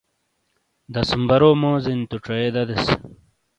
دَسمبرو موزینی تو چَئیے دَدیس۔